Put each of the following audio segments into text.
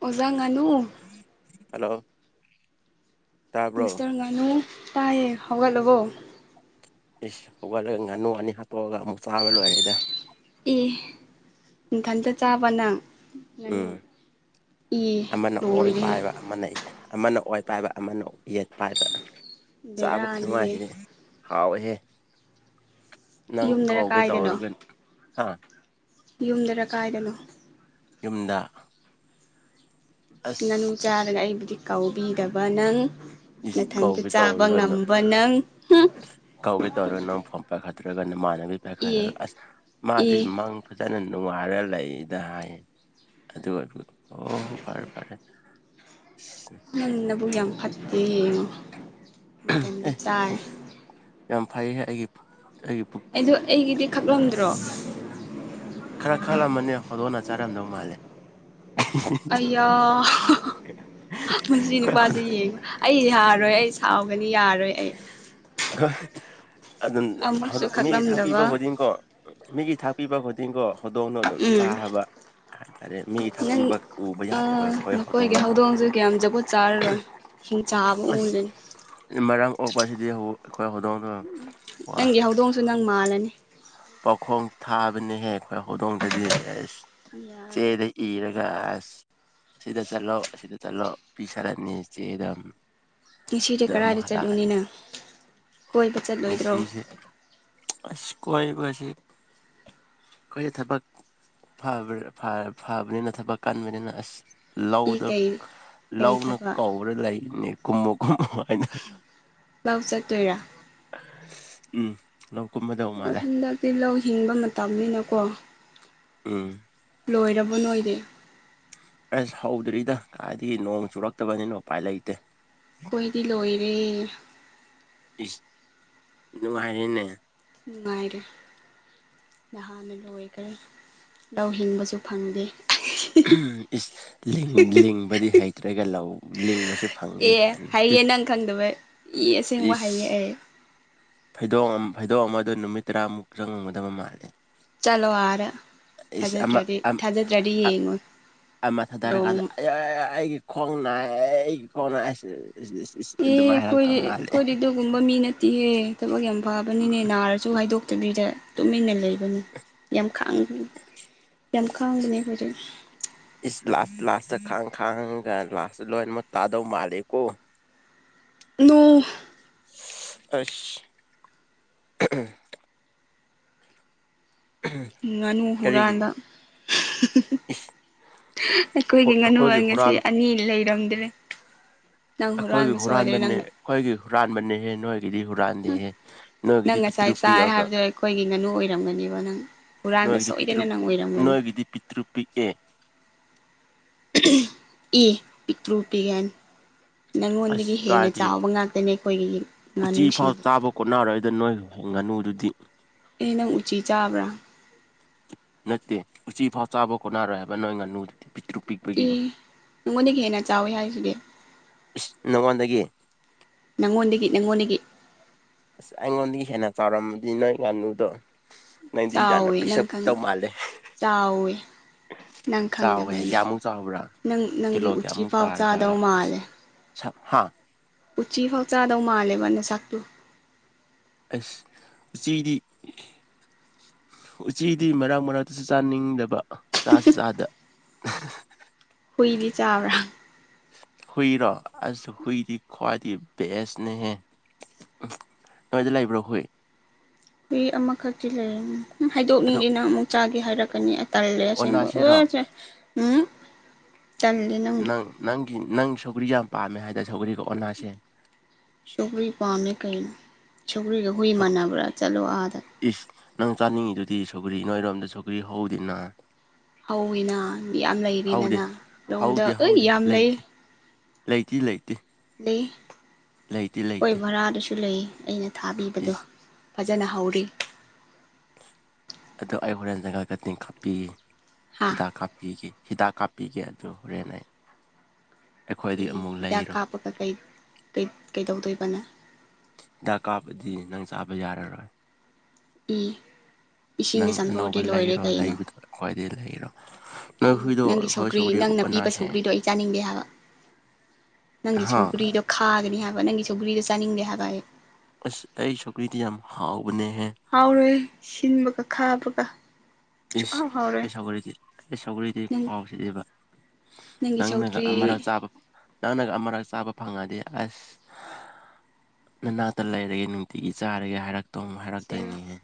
ꯑꯣꯖꯥ ꯉꯅꯨ ꯍꯜꯂꯣ ꯇꯥꯕ꯭ꯔꯣ ꯃꯤꯁꯇꯔ ꯉꯥꯅꯨ ꯇꯥꯏꯌꯦ ꯍꯧꯒꯠꯂꯕꯣ ꯏꯁ ꯍꯧꯒꯠꯂꯒ ꯉꯥꯅꯨ ꯉꯥꯅꯤ ꯍꯥꯠꯇꯣꯛꯑꯒ ꯑꯃꯨꯛ ꯆꯥꯕ ꯂꯣꯏꯔꯦꯗ ꯑꯦ ꯏꯊꯟꯇ ꯆꯥꯕ ꯅꯪ ꯉꯥꯅꯨ ꯎꯝ ꯏ ꯑꯃꯅ ꯑꯣꯏ ꯂꯣꯏꯔꯦꯍꯦ ꯄꯥꯏꯕ ꯑꯃꯅ ꯑꯃꯅ ꯑꯣꯏ ꯄꯥꯏꯕ ꯑꯃꯅ ꯌꯦꯠ ꯄꯥꯏꯕ ꯆꯥꯕ ꯕꯦꯔꯥꯅꯤꯍꯦ ꯈꯨꯅꯨꯡꯉꯥꯏꯁꯤꯗꯤ ꯍꯥꯎꯋꯦꯍꯦ ꯅꯪ ꯌꯨꯝꯗꯔ ꯀꯧꯒꯦ ꯀꯥꯏꯗꯅꯣ ꯇꯧꯔꯒ ꯍꯥ ꯌꯨꯝꯗꯔ ꯀꯥꯏꯗꯅꯣ ꯌꯨꯝꯗ ꯉꯥꯅꯨ ꯑꯁ ꯆꯥꯔꯒ ꯑꯩꯕꯨꯗꯤ ꯀꯧꯕꯤꯗꯕ ꯅꯪ ꯏꯁ ꯅꯊꯟꯇ ꯀꯧꯒꯦ ꯆꯥꯕ ꯇꯧꯔꯒ ꯉꯝꯕ ꯅꯪ ꯀꯧꯒꯦ ꯇꯧꯔꯒ ꯅꯪ ꯐꯣꯜ ꯄꯥꯏꯈꯠꯠꯇ꯭ꯔꯒ ꯅꯃꯥꯟꯅꯕꯤ ꯑꯦ ꯄꯥꯏꯈꯠꯂꯒ ꯑꯁ ꯃꯥꯗꯤ ꯑꯦ ꯃꯪ ꯐꯖꯅ ꯅꯨꯡꯉꯥꯏꯔ ꯂꯩꯗ ꯍꯥꯏꯌꯦ ꯑꯗꯨ ꯑꯣꯏ ꯑꯣ ꯍꯣꯢ ꯐꯔꯦ ꯐꯔꯦ ꯎ [unintelligible] ꯅꯪ ꯅꯄꯨꯛ ꯌꯥꯝ ꯐꯠꯇꯦ ꯉꯣ ꯑꯦ ꯄꯨ ꯌꯥꯝ ꯐꯩꯌꯦꯍꯦ ꯑꯩꯒꯤ ꯑꯩꯒꯤ ꯄꯨꯛ ꯑꯗꯣ ꯑꯩꯒꯤꯗꯤ ꯈꯛꯂꯝꯗ꯭ꯔꯣ ꯈꯔ ꯈꯜꯂꯝꯕꯅꯦ ꯍꯧꯗꯣꯛꯅ ꯆꯥꯔꯝꯗꯧ ꯃꯥꯜꯂꯦ ꯑꯩꯌꯥ ꯃꯁꯤ ꯅꯨꯄꯥꯁꯦ ꯑꯩꯈꯣꯏ ꯌꯦꯡꯉꯣ ꯑꯩ ꯌꯥꯔꯣꯏ ꯑꯩ ꯁꯥꯎꯒꯅꯤ ꯌꯥꯔꯣꯢ ꯍꯣꯏ ꯑꯗꯨꯝ ꯑꯃꯨꯛꯁꯨ ꯃꯤ ꯈꯛꯂꯝꯗꯕ ꯊꯥꯛꯄꯤꯕ ꯈꯨꯗꯤꯡꯀꯣ ꯃꯤꯒꯤ ꯊꯥꯛꯄꯤꯕ ꯈꯨꯗꯤꯡꯀꯣ ꯍꯧꯗꯣꯡꯅꯣ ꯑꯗꯨꯝ ꯎꯝ ꯆꯥꯕ ꯍꯥꯏꯇꯥꯔꯦ ꯃꯤꯒꯤ ꯅꯪ ꯊꯥꯛꯄꯤꯕ ꯎꯕ ꯌꯥꯗꯕ ꯑꯝ ꯑꯩꯈꯣꯏ ꯅꯈꯣꯏꯒꯤ ꯍꯧꯗꯣꯡꯗꯣ ꯍꯧꯗꯣꯡ ꯁꯨ ꯀꯌꯥꯝ ꯖꯨꯒꯣꯠ ꯆꯥꯔꯔꯣꯏ ꯍꯤꯡꯆꯥꯕ ꯑꯣꯢꯒꯅꯤ ꯃꯔꯥꯝ ꯑꯣꯛꯄꯁꯤꯗꯤ ꯑꯩꯈꯣꯏ ꯍꯧꯗꯣꯡ ꯅꯪꯒꯤ ꯍꯧꯗꯣꯡꯁꯨ ꯅꯪ ꯃꯥꯜꯂꯅꯤ ꯄꯥꯈꯣꯡ ꯊꯥꯕꯅꯤꯍꯦ ꯑꯩꯈꯣꯏ ꯍꯧꯗꯣꯡꯗꯗꯤ ꯑꯦꯁ ꯌꯥꯔꯣꯏ ꯆꯦꯗ ꯏꯔꯒ ꯑꯁ ꯁꯤꯗ ꯆꯠꯂꯣ ꯑꯁꯤꯗ ꯆꯠꯂꯣ ꯄꯤꯒꯔꯥꯅꯤ ꯆꯦꯗꯣ ꯉꯁꯤꯗꯤ ꯀꯗꯥꯥꯏꯗ ꯆꯠꯂꯨꯅꯤ ꯅꯪ ꯀꯣꯏꯕ ꯆꯠꯂꯣꯏꯗ꯭ꯔꯣ ꯉꯁꯤꯁꯦ ꯑꯁ ꯀꯣꯏꯕꯁꯤ ꯑꯩꯈꯣꯏꯗꯤ ꯊꯕꯛ ꯐꯕꯅꯤꯅ ꯊꯕꯛ ꯀꯟꯕꯅꯤꯅ ꯑꯁ ꯏ ꯂꯧꯗ ꯀꯩ ꯀꯩ ꯂꯧꯅ ꯊꯕꯛ ꯀꯧ ꯀꯧꯔ ꯂꯩꯅꯦ ꯀꯨꯝꯃꯣ ꯀꯨꯝꯃꯣ ꯍꯥꯏꯅ ꯂꯧ ꯆꯠꯇꯣꯏꯔꯥ ꯎꯝ ꯅꯪ ꯀꯨꯝꯃꯗꯧ ꯃꯥꯜꯂꯦ ꯍꯧꯖꯤꯛꯇꯤ ꯂꯧ ꯍꯤꯡꯕ ꯃꯇꯝꯅꯤꯅꯀꯣ ꯎꯝ ꯂꯣꯏꯔꯕꯣ ꯅꯣꯏꯗꯤ ꯑꯁ ꯍꯧꯗ꯭ꯔꯤꯗ ꯀꯥꯏꯗꯒꯤ ꯅꯣꯡ ꯆꯨꯔꯛꯇꯕꯅꯤꯅ ꯎꯄꯥꯏ ꯂꯩꯇꯦ ꯑꯩꯈꯣꯏꯗꯤ ꯂꯣꯏꯔꯦ ꯢꯁ ꯅꯨꯡꯉꯥꯏꯔꯦꯅꯦ ꯅꯨꯡꯉꯥꯏꯔꯦ ꯅꯍꯥꯟꯅ ꯂꯣꯢꯈꯔꯦ ꯂꯧ ꯍꯤꯡꯕꯁꯨ ꯐꯪꯗꯦ ꯂꯤꯡꯕꯗꯤ ꯍꯩꯇ꯭ꯔꯒ ꯂꯧ ꯂꯤꯡꯕꯁꯨ ꯐꯪꯗꯦ ꯑꯦ ꯀꯥꯏꯅ ꯍꯩꯌꯦ ꯅꯪ ꯈꯪꯗꯕ ꯏ ꯑꯁꯦꯡꯕ ꯍꯩꯌꯦ ꯑꯩ ꯐꯩꯗꯣꯛ ꯐꯩꯗꯣꯛ ꯑꯃꯗ ꯅꯨꯃꯤꯠ ꯇꯔꯥꯃꯨꯛ ꯆꯪꯉꯝꯒꯗꯕ ꯃꯥꯜꯂꯦ ꯆꯠꯂꯣ ꯑꯗꯥ ꯏꯁ ꯑꯃ ꯊꯥꯖ꯭ꯔꯗꯤ ꯑꯝ ꯊꯥꯖꯗ꯭ꯔꯗꯤ ꯌꯦꯡꯉꯣ ꯑꯃ ꯊꯥꯗꯔꯀꯥꯟꯗ ꯅꯣꯡꯃ ꯑꯩꯌꯥ ꯑꯩꯒꯤ ꯈꯣꯡ ꯅꯥꯢꯌꯦ ꯈꯣꯡ ꯅꯥꯢꯌꯦ ꯑꯦ ꯑꯗꯨꯃꯥꯢꯅ ꯑꯩꯈꯣꯏꯗꯤ ꯑꯩꯈꯣꯏꯗꯤ ꯑꯗꯨꯒꯨꯝꯕ ꯃꯤ ꯅꯠꯇꯦꯍꯦ ꯊꯕꯛ ꯌꯥꯝ ꯎꯝ ꯐꯕꯅꯤꯅꯦ ꯅꯥꯔꯁꯨ ꯍꯥꯏꯗꯣꯛꯇꯕꯤꯗ ꯇꯨꯃꯤꯟꯅ ꯂꯩꯕꯅꯤ ꯌꯥꯝ ꯈꯥꯡ ꯌꯥꯝ ꯈꯥꯡꯕꯅꯦ ꯑꯩꯈꯣꯏꯁꯦ ꯏꯁ ꯂꯥꯁ ꯂꯥꯁꯇ ꯈꯥꯡ ꯈꯥꯡꯉꯒ ꯂꯥꯁꯇ ꯂꯣꯏꯅꯃꯛ ꯇꯥꯗꯧ ꯃꯥꯂꯦ ꯀꯣ ꯅꯣꯡ ꯑꯁ ꯉꯥꯅꯨ ꯀꯔꯤꯒꯤ ꯍꯨꯔꯥꯟꯕ ꯏꯁ ꯑꯩꯈꯣꯏꯒꯤ ꯑꯩꯈꯣꯏ ꯉꯥꯅꯨ ꯉꯁꯤ ꯍꯨꯔꯥꯟ ꯑꯅꯤ ꯂꯩꯔꯝꯗ꯭ꯔꯦ ꯅꯪ ꯑꯩꯈꯣꯏꯒꯤ ꯍꯨꯔꯥꯟꯕ ꯁꯣꯏꯗ꯭ꯔꯦ ꯍꯨꯔꯥꯟꯕꯅꯦ ꯅꯪꯅ ꯑꯩꯈꯣꯏꯒꯤ ꯍꯨꯔꯥꯟꯕꯅꯦꯍꯦ ꯅꯣꯏ ꯃꯤꯒꯤꯗꯤ ꯍꯨꯔꯥꯟꯗꯦꯍꯦ ꯅꯪ ꯅꯣꯏꯒꯤꯗꯤ ꯉꯁꯥꯏ ꯄꯤꯛꯇ꯭ꯔꯨ ꯆꯥꯏ ꯄꯤꯛꯑꯒ ꯍꯥꯏꯕꯗꯣ ꯑꯩꯈꯣꯏꯒꯤ ꯉꯥꯅꯨ ꯑꯣꯏꯔꯝꯒꯅꯦꯕ ꯅꯪ ꯍꯨꯔꯥꯟꯕ ꯅꯣꯏꯒꯤꯗꯤ ꯄꯤ꯭ꯇꯔꯨ ꯁꯣꯏꯗꯅ ꯅꯪ ꯑꯣꯏꯔꯝꯒꯅꯤ ꯅꯣꯏꯒꯤꯗꯤ ꯄꯤꯛꯇ꯭ꯔꯨ ꯄꯤꯛꯑꯦ ꯑꯦ ꯄꯤꯇ꯭ꯔꯨ ꯄꯤꯛꯌꯦ ꯒꯥꯢꯅ ꯑꯁ ꯅꯉꯣꯟꯗꯒꯤ ꯍꯦꯟꯅ ꯀꯥꯏꯗꯒꯤ ꯆꯥꯎꯕ ꯉꯥꯛꯇꯅꯤ ꯑꯩꯈꯣꯏꯒꯤ ꯉꯥꯅꯨꯁꯤꯡꯗꯣ ꯀꯣꯟꯅꯔꯣꯏꯗ ꯅꯣꯏꯒꯤ ꯉꯥꯅꯨꯗꯨꯗꯤ ꯑꯦ ꯅꯪ ꯎꯆꯤ ꯆꯥꯕ꯭ꯔꯥ ꯅꯠꯇꯦ ꯎꯆꯤꯐꯥꯎ ꯆꯥꯕ ꯈꯣꯠꯅꯔꯣꯏ ꯍꯥꯏꯕ ꯅꯣꯏ ꯉꯥꯅꯨꯗꯣ ꯑꯦ ꯅꯪꯉꯣꯟꯗꯒꯤ ꯍꯦꯟꯅ ꯆꯥꯎꯋꯤ ꯍꯥꯏꯁꯤꯗꯤ ꯏꯁ ꯅꯪꯉꯣꯟꯗꯒꯤ ꯅꯪꯉꯣꯟꯗꯒꯤ ꯅꯪꯉꯣꯟꯗꯒꯤ ꯑꯁ ꯑꯩꯉꯣꯟꯗꯒꯤ ꯍꯦꯟꯅ ꯆꯥꯎꯔꯝꯃꯗꯤ ꯅꯣꯏ ꯉꯥꯅꯨꯗꯣ ꯅꯪꯗꯤ ꯌꯥꯝꯅ ꯆꯥꯎꯋꯦ ꯄꯤꯛꯁꯛ ꯅꯪ ꯄꯤꯛꯇꯧ ꯈꯪꯉ ꯃꯥꯜꯂꯦ ꯆꯥꯎꯋꯦ ꯅꯪ ꯆꯥꯎꯋꯦ ꯈꯪꯗꯕꯩꯅꯦ ꯀꯌꯥꯃꯨꯛ ꯆꯥꯎꯕ꯭ꯔꯥ ꯅꯪ ꯀꯤꯂꯣ ꯅꯪꯗꯤ ꯎꯆꯤ ꯀꯌꯥꯃꯨꯛ ꯐꯥꯎ ꯇꯥꯔꯖꯥꯠꯂꯣ ꯆꯥꯗꯧ ꯃꯥꯜꯂꯦ ꯑꯁ ꯍꯥ ꯎꯆꯤ ꯐꯥꯎ ꯆꯥꯗꯧ ꯃꯥꯜꯂꯦꯕ ꯅꯁꯛꯇꯨ ꯑꯁ ꯎꯆꯤꯗꯤ ꯎꯆꯤꯗꯤ ꯃꯔꯛ ꯃꯔꯛꯇꯁꯨ ꯆꯥꯅꯤꯡꯗꯕ ꯆꯥꯁꯨ ꯆꯥꯗ ꯍꯨꯏꯗꯤ ꯆꯥꯕ꯭ꯔꯥ ꯍꯨꯏꯔꯣ ꯑꯁ ꯍꯨꯏꯗꯤ ꯈ꯭ꯋꯥꯏꯗꯤ ꯕꯦꯁꯅꯦꯍꯦ ꯅꯣꯢꯖ ꯂꯩꯕ꯭ꯔꯣ ꯍꯨꯏ ꯍꯨꯢ ꯑꯃꯈꯛꯇꯤ ꯂꯩꯌꯦ ꯑꯗꯣ ꯍꯥꯏꯗꯣꯛꯅꯤꯡꯇꯦ ꯅꯪ ꯑꯃꯨꯛ ꯆꯥꯒꯦ ꯍꯥꯏꯔꯛꯀꯅꯤ ꯇꯜꯂꯦ ꯑꯁꯦꯡꯕ ꯑꯣꯟꯅꯁꯦꯔꯣ ꯑꯣꯢ ꯁꯦ ꯎꯝ ꯇꯥꯜꯂꯤ ꯅꯪ ꯅꯪꯒꯤ ꯅꯪ ꯁꯧꯒ꯭ꯔꯤ ꯌꯥꯝ ꯄꯥꯝꯃꯦ ꯍꯥꯏꯗꯥꯢꯅ꯭ ꯁꯧꯒ꯭ꯔꯤꯒ ꯑꯣꯅꯥꯁꯦ ꯁꯀ꯭ꯔꯤ ꯄꯥꯝꯃꯦ ꯀꯩꯅꯣ ꯁꯀ꯭ꯔꯤꯒ ꯍꯨꯏ ꯁꯧ ꯃꯥꯟꯅꯕ꯭ꯔꯥ ꯆꯠꯂꯣ ꯑꯥꯗ ꯏꯁ ꯅꯪ ꯆꯥꯅꯤꯡꯉꯤꯗꯨꯗꯤ ꯁꯣꯒ꯭ꯔꯤ ꯅꯣꯏꯔꯣꯝꯗ ꯁꯣꯒ꯭ꯔꯤ ꯍꯧꯗꯦꯅ ꯍꯧꯋꯤꯅ ꯌꯥꯝ ꯍꯧꯗꯦ ꯂꯩꯔꯤꯗꯅ ꯂꯧꯗ ꯑꯩ ꯌꯥꯝ ꯂꯩ ꯂꯩꯗꯤ ꯂꯩꯇꯦ ꯂꯩ ꯂꯩꯇꯤ ꯈꯣꯢ ꯂꯩꯇꯦ ꯚꯔꯥꯗꯁꯨ ꯂꯩ ꯑꯩꯅ ꯊꯥꯕꯤꯕꯗꯣ ꯐꯖꯅ ꯍꯧꯔꯤ ꯑꯗꯨ ꯑꯩ ꯍꯣꯔꯦꯟ ꯖꯪꯒꯥꯜ ꯀꯇꯤꯡ ꯀꯥꯞꯄꯤꯒꯦ ꯍꯥ ꯍꯤꯗꯥꯛ ꯀꯥꯞꯄꯤꯒꯦ ꯍꯤꯗꯥꯛ ꯀꯥꯞꯄꯤꯒꯦ ꯑꯗꯨ ꯍꯣꯔꯦꯟ ꯑꯩ ꯑꯩꯈꯣꯏꯗꯩ ꯑꯃꯨꯛ ꯂꯩꯔꯣ ꯀꯩꯗꯧꯗꯣꯏꯕ ꯅꯪ ꯍꯤꯗꯥꯛ ꯀꯥꯞꯕꯗꯤ ꯅꯪ ꯆꯥꯕ ꯌꯥꯔꯔꯣꯏ ꯎꯝ ꯏꯁꯤꯡꯗꯤ ꯅꯪ ꯆꯥꯝꯊꯣꯛꯑꯗꯤ ꯑꯅꯧꯕ ꯂꯣꯏꯔꯦ ꯂꯩꯔꯣ ꯀꯩꯅꯣ ꯂꯩꯕꯗꯣ ꯑꯩꯈꯣꯏꯗꯤ ꯂꯩꯔꯣ ꯅꯣꯏ ꯍꯨꯏꯗꯣ ꯅꯪꯒꯤ ꯑꯩꯈꯣꯏ ꯁꯧꯒ꯭ꯔꯤ ꯅꯪꯅ ꯄꯤꯕ ꯑꯣꯟꯅꯁꯦ ꯁꯧꯒ꯭ꯔꯤꯗꯣ ꯑꯩ ꯆꯥꯅꯤꯡꯗꯦ ꯍꯥꯏꯕ ꯅꯪꯒꯤ ꯍꯥ ꯁꯧꯒ꯭ꯔꯤꯗꯣ ꯈꯥꯒꯅꯤ ꯍꯥꯏꯕ ꯅꯪꯒꯤ ꯁꯧꯒ꯭ꯔꯤꯗ ꯆꯥꯅꯤꯡꯗꯦ ꯍꯥꯏꯕ ꯑꯩ ꯑꯁ ꯑꯩ ꯁꯧꯀ꯭ꯔꯤꯗꯤ ꯌꯥꯝ ꯍꯥꯎꯕꯅꯦꯍꯦ ꯍꯥꯎꯔꯣꯏ ꯁꯤꯟꯕꯒ ꯈꯥꯕꯒ ꯏꯁ ꯁꯨꯛꯍꯥꯎ ꯍꯥꯎꯔꯣꯏ ꯑꯩ ꯁꯧꯒ꯭ꯔꯗꯤ ꯑꯩ ꯁꯧꯒ꯭ꯔꯤꯗꯤ ꯅꯪ ꯈꯨꯍꯥꯎꯁꯤꯗꯤꯕ ꯅꯪꯒꯤ ꯅꯪꯅꯒ ꯁꯧꯒ꯭ꯔꯤ ꯑꯃꯛ ꯆꯥꯕ ꯐꯪ ꯅꯪꯅꯒ ꯑꯃꯨꯔꯛ ꯆꯥꯕ ꯐꯪꯉꯗꯤ ꯑꯁ ꯅꯅꯥꯛꯇ ꯂꯩꯔꯒꯦ ꯅꯨꯡꯇꯤꯒꯤ ꯆꯥꯔꯒꯦ ꯍꯥꯏꯔꯛꯇꯧ ꯁꯦꯜꯂꯣ ꯍꯥꯏꯔꯛꯇꯣꯏꯅꯤꯍꯦ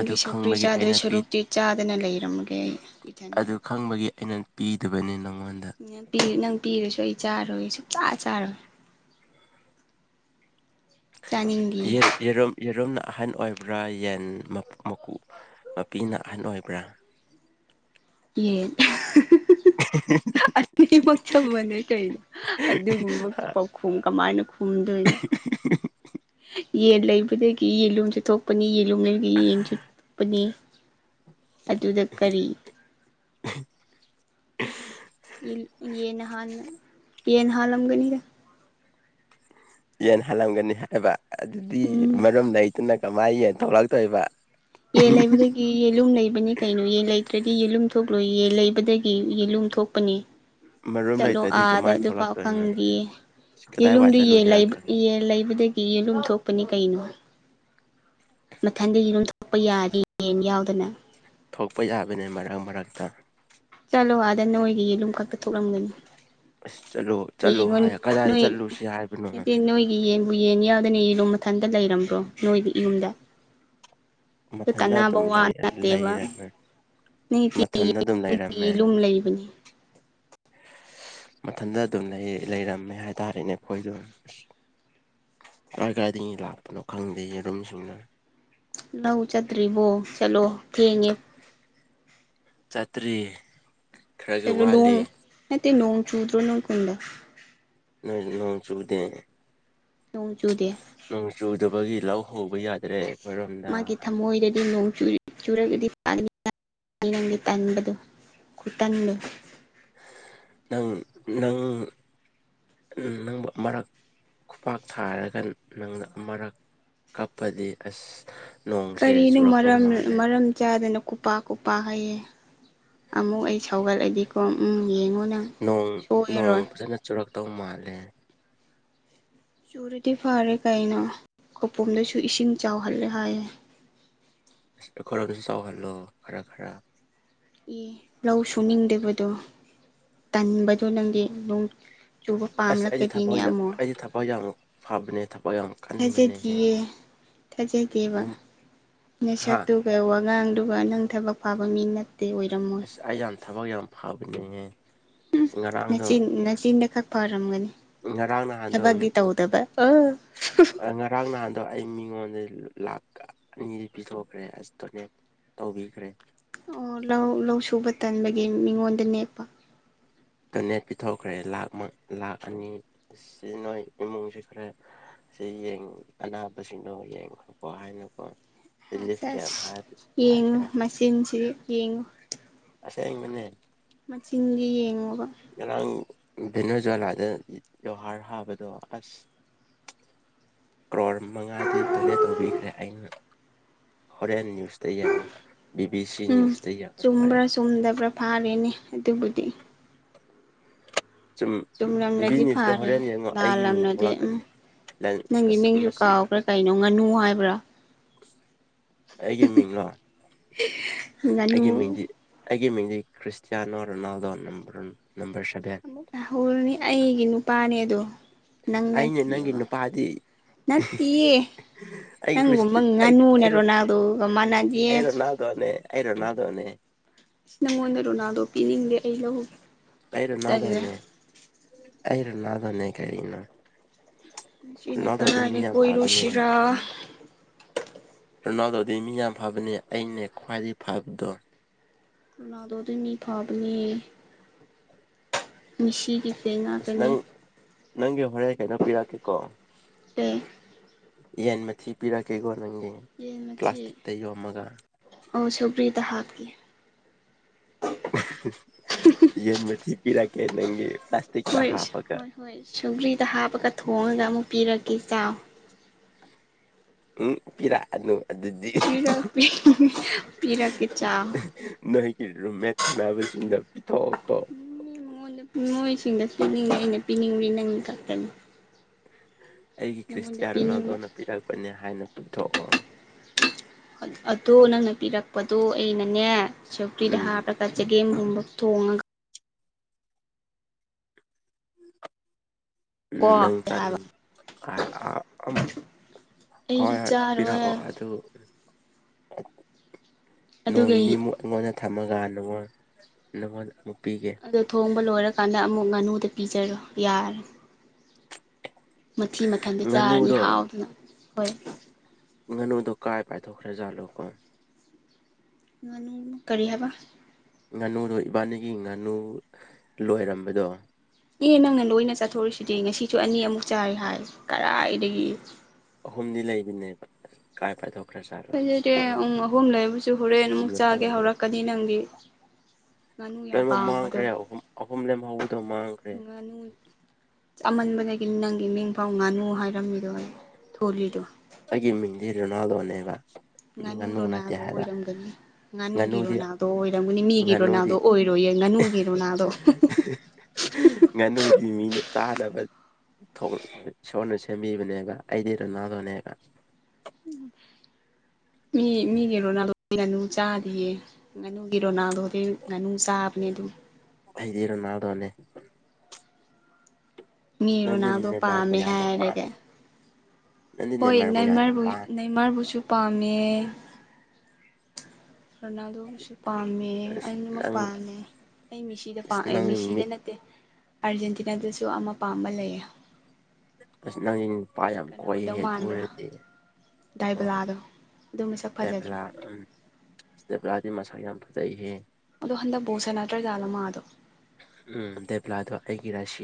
ꯑꯗꯨ ꯁꯧꯀ꯭ꯔꯤ ꯈꯪꯕꯒꯤ ꯆꯥꯗꯧ ꯑꯩꯅ ꯄꯤ ꯁꯔꯨꯛꯇꯤ ꯆꯥꯗꯅ ꯂꯩꯔꯝꯃꯒꯦ ꯑꯩ ꯏꯊꯟꯇ ꯑꯗꯨ ꯈꯪꯕꯒꯤ ꯑꯩꯅ ꯄꯤꯗꯕꯅꯤ ꯅꯪꯉꯣꯟꯗ ꯅꯪ ꯄꯤꯔꯁꯨ ꯑꯩ ꯆꯥꯔꯣꯏ ꯁꯨꯡꯆꯥꯥ ꯆꯥꯔꯣꯏ ꯌꯥꯅꯤꯡꯗꯦ ꯌꯦꯔꯨꯝ ꯌꯦꯔꯨꯝꯅ ꯑꯍꯟ ꯑꯣꯏꯕ꯭ꯔꯥ ꯌꯦꯟ ꯃꯀꯨ ꯃꯄꯤꯅ ꯑꯍꯟ ꯑꯣꯏꯕ꯭ꯔꯥ ꯌꯦꯟ [unintelligible] ꯑꯅꯤꯃꯛ ꯆꯥꯞ ꯃꯥꯟꯅꯩ ꯀꯩꯅꯣ ꯑꯗꯨꯒꯨꯝꯕ ꯄꯥꯎꯈꯨꯝ ꯀꯃꯥꯏꯅ ꯈꯨꯝꯗꯣꯏꯅꯣ ꯌꯦꯟ ꯂꯩꯕꯗꯒꯤ ꯌꯦꯟꯂꯨꯝꯁꯨ ꯊꯣꯛ ꯄꯅꯤ ꯌꯦꯂꯨꯝ ꯂꯩꯕꯒꯤ ꯌꯦꯟꯁꯨ ꯊꯣꯛꯄꯅꯤ ꯑꯗꯨꯗ ꯀꯔꯤ [unintelligible] ꯌꯦꯟ ꯍꯥꯅ ꯌꯦꯟꯅ ꯍꯥꯜꯂꯝꯒꯅꯤꯗ ꯌꯦꯟ ꯍꯜꯂꯝꯒꯅꯤ ꯍꯥꯏꯕ ꯑꯗꯨꯗꯤ ꯎꯝ ꯃꯔꯝ ꯂꯩꯇꯅ ꯀꯃꯥꯏ ꯌꯦꯟ ꯊꯣꯛꯂꯛꯇꯣꯏꯕ ꯌꯦꯟ ꯂꯩꯕꯒꯤ ꯌꯦꯜꯂꯨꯝ ꯂꯩꯕꯅꯤ ꯀꯩꯅꯣ ꯌꯦꯟ ꯂꯩꯇ꯭ꯔꯗꯤ ꯌꯦꯂꯨꯝ ꯊꯣꯛꯂꯣꯏ ꯌꯦꯟ ꯂꯩꯕꯗꯒꯤ ꯌꯦꯂꯨꯝ ꯊꯣꯛꯄꯅꯦ ꯃꯔꯨꯝ ꯆꯠꯂꯣ ꯂꯩꯇ꯭ꯔꯗꯤ ꯑꯗ ꯀꯃꯥꯏ ꯑꯗꯨꯐꯥꯎ ꯊꯣꯛꯂꯛꯇꯣꯏꯅꯣ ꯈꯪꯗꯤꯌꯦ ꯀꯗꯥꯏ ꯋꯥꯏ ꯌꯦꯂꯨꯝꯗꯨ ꯌꯦꯟ ꯆꯠꯂꯨꯁꯤꯔ ꯂꯩꯕꯒꯤ ꯈꯪꯗꯦ ꯌꯦꯜ ꯂꯩꯕꯗꯒꯤ ꯌꯦꯂꯨꯝ ꯊꯣꯛꯄꯅꯤ ꯀꯩꯅꯣ ꯃꯊꯟꯗ ꯌꯦꯂꯨꯝ ꯊꯣꯛꯄ ꯌꯥꯗꯦ ꯌꯦꯟ ꯌꯥꯎꯗꯅ ꯊꯣꯛꯄ ꯌꯥꯕꯅꯦ ꯃꯔꯛ ꯃꯔꯛꯇ ꯆꯠꯂꯣ ꯑꯗ ꯅꯣꯏꯒꯤ ꯌꯦꯂꯨꯝ ꯈꯛꯇ ꯊꯣꯛꯂꯝꯒꯅꯤ ꯆꯠꯂꯣ ꯌꯦꯉꯨꯅꯦ ꯅꯣꯏ ꯅꯣꯏ ꯒꯤ ꯌꯦꯟꯕꯨ ꯌꯦꯟ ꯌꯥꯎꯗꯅ ꯌꯦꯂꯨꯝ ꯃꯊꯟꯇ ꯂꯩꯔꯝꯕ꯭ꯔꯣ ꯅꯣꯏꯗꯤ ꯌꯨꯝꯗ ꯃꯊꯟꯇ ꯀꯅꯥꯕ ꯑꯗꯨꯝ ꯋꯥ ꯂꯩꯔ ꯅꯠꯇꯦꯕ ꯂꯩꯔ ꯃꯊꯟꯗ ꯑꯗꯨꯝ [unintelligible] ꯂꯩꯔꯝꯃꯦ ꯌꯦꯂꯨꯝ ꯂꯩꯕꯅꯦ ꯃꯊꯟꯗ ꯑꯗꯨꯝ ꯂꯩ ꯂꯩꯔꯝꯃꯦ ꯍꯥꯏꯇꯥꯔꯦꯅꯦ ꯑꯩꯈꯣꯏ ꯗꯨꯝ ꯀꯥꯏ ꯀꯥꯏꯗꯒꯤ ꯂꯥꯛꯄꯅꯣ ꯈꯪꯗꯦ ꯌꯦꯔꯨꯝꯁꯤꯡꯅ ꯂꯧ ꯆꯠꯇ꯭ꯔꯤꯕꯣ ꯆꯠꯂꯣ ꯊꯦꯡꯉꯦ ꯆꯠꯇ꯭ꯔꯤ ꯀꯩꯅꯣ ꯅꯣꯡ ꯅꯠꯇꯦ ꯅꯣꯡ ꯆꯨꯗꯔꯣ ꯅꯣꯏ ꯈꯨꯟꯗ ꯅꯣꯏ ꯅꯣꯡ ꯆꯨꯗꯦ ꯅꯣꯡ ꯆꯨꯗꯦ ꯅꯣꯡ ꯆꯨꯗꯕꯒꯤ ꯂꯧ ꯎꯕ ꯌꯥꯗ꯭ꯔꯦ ꯑꯩꯈꯣꯏꯔꯣꯝꯗ ꯃꯥꯒꯤ ꯊꯃꯣꯏꯗꯗꯤ ꯅꯣꯡ ꯆꯨꯔꯤ ꯆꯨꯔꯒꯗꯤ [unintelligible] ꯇꯟꯕꯗꯣ ꯈꯨꯇꯟꯗꯣ ꯅꯪ ꯅꯪ ꯅꯪꯕꯨ ꯑꯃꯔꯛ ꯈꯨꯄꯥꯛ ꯊꯥꯔꯒ ꯅꯪꯅ ꯑꯃꯔꯛ ꯀꯞꯄꯗꯤ ꯑꯁ ꯅꯣꯡꯁꯦ ꯀꯔꯤꯅꯣ ꯆꯨꯔꯛꯇꯧ ꯃꯔꯝ ꯃꯥꯜꯂꯦ ꯃꯔꯝ ꯆꯥꯗꯅ ꯈꯨꯄꯥꯛ ꯈꯨꯄꯥꯛ ꯍꯥꯏꯌꯦ ꯑꯃꯨꯛ ꯑꯩ ꯁꯧꯒꯠꯂꯗꯤꯀꯣ ꯎꯝ ꯌꯦꯡꯉꯣ ꯅꯪ ꯅꯣꯡ ꯅꯣꯡ ꯁꯣꯏꯔꯔꯣꯏ ꯐꯖꯅ ꯆꯨꯔꯛꯇꯧ ꯃꯥꯜꯂꯦ ꯆꯨꯔꯗꯤ ꯐꯔꯦ ꯀꯩꯅꯣ ꯈꯨꯄꯨꯝꯗꯁꯨ ꯏꯁꯤꯡ ꯆꯥꯎꯍꯜꯂꯦ ꯍꯥꯏꯌꯦ ꯑꯈꯣꯏꯔꯣꯝꯗꯁꯨ ꯆꯥꯎꯍꯜꯂꯣ ꯈꯔ ꯈꯔ ꯑꯦ ꯂꯧ ꯁꯨꯅꯤꯡꯗꯕꯗꯣ ꯇꯟꯕꯗꯣ ꯅꯪꯗꯤ ꯑꯗꯨꯝ ꯑꯁ ꯑꯩꯗꯤ ꯊꯕꯛ ꯌꯥꯝ ꯑꯩꯗꯤ ꯊꯕꯛ ꯌꯥꯝꯅ ꯐꯕꯅꯦ ꯊꯕꯛ ꯌꯥꯝ ꯀꯟꯕꯅꯦꯍꯦ ꯊꯥꯖꯗꯤꯌꯦ ꯊꯥꯖꯗꯦꯕ ꯅꯪ ꯍꯥ ꯅꯥꯁꯛꯇꯨ ꯒ ꯋꯥꯉꯥꯡꯗꯨꯒ ꯅꯪ ꯊꯕꯛ ꯐꯥꯕ ꯃꯤ ꯅꯠꯇꯦ ꯑꯣꯏꯔꯝꯃꯣꯏ ꯑꯁ ꯑꯩ ꯌꯥꯝ ꯊꯕꯛ ꯌꯥꯝ ꯐꯕꯅꯤꯍꯦ ꯎꯝ ꯅꯆꯤꯟ ꯅꯆꯤꯟꯗ ꯈꯛ ꯐꯔꯝꯒꯅꯤ ꯉꯔꯥꯡ ꯅꯍꯥꯟꯗꯣ ꯊꯕꯛꯇꯤ ꯇꯧ ꯗꯕ ꯑꯣ ꯉꯔꯥꯡ ꯅꯍꯥꯟꯗꯣ ꯑꯩ ꯃꯤꯉꯣꯟꯗ ꯂꯥꯛ ꯑꯅꯤꯗꯤ ꯄꯤꯊꯣꯛꯈ꯭ꯔꯦ ꯑꯁ ꯗꯣꯅꯦ ꯇꯧꯕꯤꯈ꯭ꯔꯦ ꯑꯣ ꯂꯧ ꯂꯧ ꯁꯨꯕ ꯇꯟꯕꯒꯤ ꯃꯤꯉꯣꯟꯗ ꯅꯦꯛꯄ ꯗꯣꯅꯦꯠ ꯄꯤꯊꯣꯛꯈ꯭ꯔꯦ ꯂꯥꯛ ꯂꯥꯛ ꯑꯅꯤ ꯁꯤ ꯅꯣꯏ ꯏꯃꯨꯡꯁꯤ ꯈꯔ ꯁꯤ ꯌꯦꯡ ꯑꯅꯥꯕꯁꯤꯡꯗꯣ ꯌꯦꯡꯉꯣꯀꯣ ꯍꯥꯏꯅꯀꯣ ꯂꯤꯂꯤꯞ ꯑꯁ ꯀꯦꯝ ꯑꯁ ꯍꯥꯏꯕꯁꯦ ꯌꯦꯡꯉꯨ ꯍꯥꯏꯁꯤꯔ ꯃꯆꯤꯟꯁꯤ ꯌꯦꯡꯉꯨ ꯑꯁꯦꯡꯕꯅꯦ ꯃꯆꯤꯟꯗꯤ ꯌꯦꯡꯉꯣꯕ ꯉꯔꯥꯡ ꯗꯤꯟꯅ꯭ꯔꯖꯂꯥꯏꯗ ꯖꯧꯍꯥꯔ ꯍꯥꯕꯗꯣ ꯑꯁ [unintelligible] ꯀ꯭ꯔꯣꯔ ꯃꯉꯥꯗꯤ ꯗꯣꯅꯦꯠ ꯇꯧꯕꯤꯈ꯭ꯔꯦ ꯑꯩꯅ ꯍꯣꯔꯦꯟ ꯅꯌꯨꯁ [inaudible] ꯕꯤꯕꯤ ꯁꯤ ꯅ꯭ꯌꯨꯁꯇ ꯌꯦꯡꯉꯨ ꯍꯣꯔꯦꯟ ꯇꯨꯝꯗꯕ꯭ꯔꯥ ꯐꯥꯔꯦꯅꯦ ꯑꯗꯨꯕꯨꯗꯤ ꯁꯨꯝ ꯆꯨꯝ ꯕꯤ ꯕꯤ ꯂꯝꯂꯗꯤ ꯅ꯭ꯌꯨꯁꯇ ꯐꯔꯦ ꯍꯣꯔꯦꯟ ꯌꯦꯡꯉꯣ ꯑꯩꯒꯤ ꯃꯤꯡ ꯂꯥꯜꯂꯝꯅꯗꯤ ꯎꯝ ꯊꯣꯛꯂꯛꯀꯅꯤ ꯅꯪꯒꯤ ꯑꯁ ꯃꯤꯡꯁꯨ ꯃꯁꯤ ꯀꯥꯎꯒ꯭ꯔꯦ ꯀꯩꯅꯣ ꯉꯥꯅꯨ ꯍꯥꯏꯕ꯭ꯔꯥ ꯑꯩꯒꯤ ꯃꯤꯥꯡꯂꯣ ꯉꯥꯅꯨ ꯑꯩꯒꯤ ꯃꯤꯡꯗꯤ ꯑꯩꯒꯤ ꯃꯤꯡꯗꯤ ꯈ꯭ꯔꯤꯁꯇꯤꯌꯥꯅꯣ ꯔꯣꯅꯥꯜꯗꯣ ꯅꯝꯕꯔꯟ ꯅꯝꯕꯔ ꯁꯚꯦꯟ ꯑꯃꯨꯛꯇ ꯍꯧꯔꯅꯤ ꯑꯩꯒꯤ ꯅꯨꯄꯥꯅꯦꯑꯗꯣ ꯑꯩꯅꯦ ꯅꯪꯅꯠꯇꯤ ꯅꯪꯒꯤ ꯉꫭ ꯅꯨꯄꯥꯗꯤ ꯅꯠꯇꯤꯌꯦ ꯑꯩ ꯅꯪꯒꯨꯝꯕ ꯈ꯭ꯔꯤꯁꯇꯤ ꯑꯩ ꯉꯥꯅꯨꯅ ꯑꯩ ꯔꯣꯅꯥꯜꯗꯣꯒ ꯃꯥꯟꯅꯗꯦ ꯑꯩ ꯔꯣꯅꯥꯜꯒꯣꯅꯦ ꯑꯩ ꯔꯣꯅꯥꯜꯗꯣꯅꯦ ꯅꯪꯉꯣꯟꯗ ꯔꯣꯅꯥꯜꯗꯣ ꯄꯤꯅꯤꯡꯗꯦ ꯑꯩ ꯂꯧꯍꯧꯒꯦ ꯑꯩꯔꯣꯅꯥꯗꯣꯅꯦ ꯑꯩ ꯔꯣꯅꯥꯜꯗꯣꯅꯦ ꯀꯔꯤꯅꯣ ꯉꯁꯤꯅ ꯔꯣꯅꯥꯜꯗꯣꯗꯤ ꯃꯤ ꯀꯔꯥꯏꯗ ꯌꯥꯝ ꯐꯕꯅꯦ ꯀꯣꯏꯔꯨꯁꯤꯔꯥ ꯔꯅꯥꯜꯗꯣꯗꯤ ꯃꯤ ꯌꯥꯝ ꯐꯕꯅꯦ ꯑꯩꯅꯦ ꯈ꯭ꯋꯥꯏꯗꯒꯤ ꯐꯕꯗꯣ ꯔꯣꯅꯥꯜꯗꯣꯗꯤ ꯃꯤ ꯐꯕꯅꯤ ꯃꯤꯁꯤꯒꯤ ꯐꯦꯟ ꯑꯁ ꯉꯥꯛꯇꯅꯦ ꯅꯪ ꯅꯪꯒꯤ ꯍꯣꯔꯦꯟ ꯑꯩꯀꯩꯅꯣ ꯄꯤꯔꯛꯀꯦꯀꯣ ꯑꯦ ꯌꯦꯟ ꯃꯊꯤ ꯄꯤꯔꯛꯀꯦꯀꯣ ꯅꯪꯒꯤ ꯌꯦꯟ ꯃꯊꯤ ꯄ꯭ꯂꯥꯁꯇꯤꯛꯇ ꯌꯣꯝꯃꯒ ꯑꯣ ꯁꯧꯒ꯭ꯔꯤꯗ ꯍꯥꯞꯀꯤ ꯌꯦꯟ ꯃꯊꯤ ꯄꯤꯔꯛꯀꯦ ꯅꯪꯒꯤ ꯄ꯭ꯂꯥꯁꯇꯤꯛꯇ ꯍꯣꯏ ꯍꯥꯞꯄꯒ ꯍꯣꯏ ꯍꯣꯏ ꯁꯨꯒ꯭ꯔꯤꯗ ꯍꯥꯞꯄꯒ ꯊꯣꯡꯉꯒ ꯑꯃꯨꯛ ꯄꯤꯔꯛꯀꯦ ꯆꯥꯎꯏ [inaudible] ꯎꯝ ꯄꯤꯔꯛꯑꯅꯨ ꯑꯗꯨꯗꯤ ꯄꯤꯔꯛ ꯄꯤꯔꯛ ꯀ‌ꯦ ꯆꯥꯎꯏ ꯅꯣꯏꯒꯤ ꯔꯨꯝ ꯃꯦꯠꯊꯅꯕꯁꯤꯡꯗ ꯄꯤꯊꯣꯛꯑꫭ ꯀꫭ ꯉꯣꯟꯗ ꯃꫭꯏꯁꯤꯡꯗ ꯁꯅꯤꯡꯉ ꯑꯩꯅ ꯄꯤꯅꯤꯡꯔꯤ ꯅꯪ ꯈꯛꯇꯅꯤ ꯑꯩꯒꯤ ꯅꯪꯉꯣꯟꯗ ꯈ꯭ꯔꯤꯁꯇꯤꯌꯥ ꯄꯤꯅꯤꯡꯕ ꯔꯣꯅꯥꯜꯗꯣꯅ ꯄꯤꯔꯛꯄꯅꯦ ꯍꯥꯏꯅ ꯄꯨꯊꯣꯛꯑꯣ ꯑꯗꯣ ꯅꯪꯅ ꯄꯤꯔꯛꯄꯗꯣ ꯑꯩꯅꯅꯦ ꯁꯧꯒ꯭ꯔꯤꯗ ꯎꯝ ꯍꯥꯞ ꯄꯆꯒꯦꯒꯨꯝꯕ ꯊꯣꯡꯉꯒ ꯎꯝ ꯀꯣ ꯅꯪ ꯍꯥꯏꯕ ꯆꯥꯅꯤꯡ [unintelligible] ꯑꯩꯗꯤ ꯍꯣꯏꯍꫭꯏ ꯆꯥꯔꯣꯏ ꯄꯤꯔꯛꯑꯣ ꯑꯗꯨ ꯅꯣꯡ ꯑꯗꯨꯒ ꯅꯤꯅꯤ ꯃꯨꯛ ꯅꯉꯣꯟꯗ ꯊꯝꯃꯒ ꯅꯪꯉꯣꯟ ꯅꯪꯉꯣꯟꯗ ꯑꯃꯨꯛ ꯄꯤꯒꯦ ꯑꯗꯣ ꯊꯣꯡꯕ ꯂꯣꯏꯔꯀꯥꯟꯗ ꯑꯃꯨꯛ ꯉꯥꯅꯨꯗ ꯄꯤꯖꯔꯣ ꯌꯥꯔꯦ ꯃꯊꯤ ꯃꯊꯟꯗꯣ ꯆꯥꯔꯅꯤ ꯉꯥꯅꯨꯗꯣ ꯍꯥꯎꯗꯅ ꯍꯣꯏ ꯉꯥꯅꯨꯗꯣ ꯀꯥꯏ ꯄꯥꯏꯊꯣꯛꯈ꯭ꯔꯥꯖꯥꯠꯂꯣꯀꯣ ꯉꯥꯅꯨ ꯀꯔꯤ ꯍꯥꯏꯕ ꯉꯥꯅꯨꯗꯣ ꯏꯕꯥꯅꯤꯒꯤ ꯉꯥꯅꯨ ꯂꯣꯏꯔꯝꯕꯗꯣ ꯑꯦ ꯅꯪꯅ ꯂꯣꯏꯅ ꯆꯠꯊꯣꯔꯤꯁꯤꯗꯤ ꯉꯁꯤꯁꯨ ꯑꯅꯤ ꯑꯃꯨꯛ ꯆꯥꯏꯔꯤ ꯍꯥꯏ ꯀꯗꯥꯥꯏꯗꯒꯤ ꯑꯍꯨꯝꯗꯤ ꯂꯩꯕꯅꯦꯕ ꯀꯥꯏ ꯐꯥꯏꯊꯣꯛꯈ꯭ꯔꯦ ꯁꯥꯔ ꯐꯖꯗꯦ ꯄꯨꯡ ꯑꯍꯨꯝ ꯂꯩꯕꯁꯨ ꯍꯣꯔꯦꯟ ꯑꯃꯨꯛ ꯊꯤꯕ ꯆꯥꯒꯦ ꯐꯪꯗ꯭ꯔꯦ ꯍꯧꯔꯛꯀꯅꯤ ꯅꯪꯒꯤ ꯉꯥꯅꯨ ꯌꯥꯝ ꯂꯣꯏꯅꯃꯛ ꯄꯥꯝꯕꯗꯣ ꯃꯥꯡꯈ꯭ꯔꯦ ꯑꯍꯨꯝ ꯑꯍꯨꯝ ꯂꯦꯝ ꯍꯧꯕꯗꯣ ꯃꯥꯡꯈ꯭ꯔꯦ ꯉꯥꯅꯨ ꯆꯃꯟꯕꯗꯒꯤ ꯅꯪꯒꯤ ꯃꯤꯐꯥꯎ ꯉꯥꯅꯨ ꯍꯥꯏꯔꯝꯃꯤꯗꯣ ꯊꯣꯜꯂꯤꯗꯣ ꯑꯩꯒꯤ ꯃꯤꯡꯗꯤ ꯔꯣꯅꯥꯜꯗꯣꯅꯦꯕ ꯉꯥꯅꯨ ꯅꯠꯇꯦ ꯔꯣꯅꯥꯜꯗꯣ ꯍꯥꯏꯕ ꯑꯣꯏꯔꯝꯒꯅꯤ ꯉꯥꯅꯨꯒꯤ ꯉꯥꯅꯨꯗꯤ ꯔꯣꯅꯥꯜꯗꯣ ꯑꯣꯏꯔꯝꯒꯅꯤ ꯃꯤꯒꯤ ꯉꯥꯅꯨꯗꯤ ꯔꯣꯅꯥꯜꯗꯣ ꯑꯣꯏꯔꯣꯌ‌ꯦ ꯉꯥꯅꯨꯒꯤꯔꯣ ꯔꫭꯅꯥꯜꯗꯣ ꯉꯥꯅꯨꯗꯤ ꯃꯤꯅ ꯆꯥꯅꯕ [unintelligible] ꯏꯁꯣꯔꯅ ꯁꯦꯝꯕꯤꯕꯅꯦꯕ ꯑꯩꯗꯤ ꯔꯅꯥꯗꯨꯅꯦꯕ ꯃꯤ ꯃꯤꯒꯤ ꯔꯣꯅꯥꯜꯗꯣ [unintelligible] ꯒꯤ ꯉꯥꯅꯨ ꯆꯥꯗꯤꯌꯦ ꯉꯥꯅꯨꯒꯤ ꯔꯣꯅꯥꯜꯗꯣꯗꯤ ꯉꯥꯅꯨ ꯆꯥꯕꯅꯦ ꯑꯗꯨꯝ ꯑꯩꯗꯤ ꯔꫭꯅꯥꯜꯗꯣꯅꯦ ꯃꯤ ꯅꯪꯗꯤ ꯔꯨꯅꯥꯜꯗꯣ ꯅꯦꯃꯥꯔꯕꯨ ꯄꯥꯝꯃꯦ ꯌꯥꯝꯅ ꯍꯥꯏꯔꯒꯦ ꯄꯥꯝꯃꯦ ꯅꯪꯗꯤ ꯍꯣꯏ ꯅꯦꯃꯥꯔꯕꯨ ꯌꯥꯝꯅ ꯅ‌ꯦꯃꯔꯕꯨ ꯄꯥꯝꯃꯦ ꯅ‌ꯦꯃꯔꯕꯨꯁꯨ ꯄꯥꯝꯃꯦ ꯔꯣꯅꯥꯜꯗꯣꯕꯨꯁꯨ ꯄꯥꯝꯃꯦ ꯑꯁ ꯑꯅꯤꯃꯛ ꯅꯪ ꯄꯥꯝꯃꯦ ꯑꯩ ꯃꯤꯁꯤꯗ ꯑꯁ ꯄꯥꯛ ꯑꯦ ꯅꯪꯒꯤ ꯃꯤꯁꯤꯗ ꯃꯤꯠ ꯅꯠꯇꯦ ꯑꯥꯔꯖꯦꯟꯇꯤꯅꯥꯗꯁꯨ ꯑꯃ ꯄꯥꯝꯕ ꯂꯩꯌꯦ ꯑꯁ ꯅꯪꯗꯤ ꯅꯨꯄꯥ ꯌꯥꯝ ꯀꯅꯥ ꯑꯣꯏꯗꯧ ꯀꯣꯏꯍꯦ ꯑꯗꯨ ꯃꯥꯟꯕ꯭ꯔꯥ ꯑꯣꯏꯔꯗꯤ ꯎꯝ ꯗꯥꯏꯕꯂꯥꯗꯣ ꯑꯗꯨ ꯃꯁꯛ ꯐꯖꯗ꯭ꯔꯥ ꯗ‌ꯦꯕꯂꯥ ꯗ‌ꯦꯕꯂꯗꯤ ꯃꯁꯛ ꯌꯥꯝ ꯐꯖꯩꯍ‌ꯦ ꯑꯗꯣ ꯍꯟꯗꯛ ꯕꫭꯜ ꯁꯥꯟꯅꯗꯔꯥ ꯖꯥꯠꯂꯥ ꯃꯥꯗꯣ ꯎꯝ ꯗ‌ꯦꯕꯂꯗ ꯑꯩꯒꯤ ꯔꯁꯤ